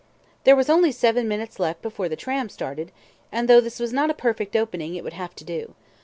There was only seven minutes left before the tram started, and though this was not a perfect opening, it would have to do.